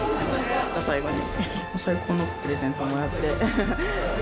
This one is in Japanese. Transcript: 最後に最高のプレゼントをもらって。